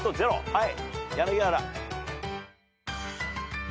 はい。